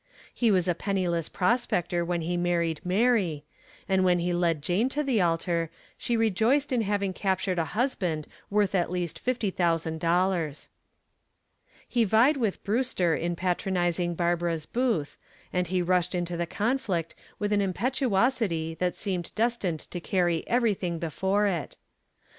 He was a penniless prospector when he married Mary, and when he led Jane to the altar she rejoiced in having captured a husband worth at least $50,000. He vied with Brewster in patronizing Barbara's booth, and he rushed into the conflict with an impetuosity that seemed destined to carry everything before it.